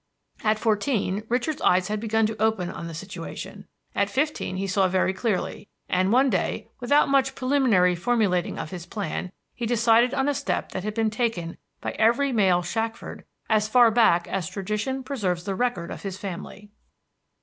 At fourteen Richard's eyes had begun to open on the situation; at fifteen he saw very clearly; and one day, without much preliminary formulating of his plan, he decided on a step that had been taken by every male Shackford as far back as tradition preserves the record of his family.